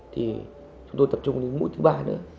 thì chúng tôi tập trung đến mũi thứ ba nữa